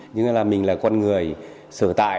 như là mình là con người sở tại